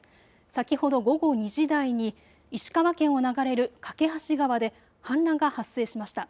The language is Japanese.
先ほど午後２時台に石川県を流れる梯川で氾濫が発生しました。